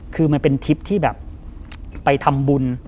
คือมันเป็นทิพย์ที่ไปทำบุญ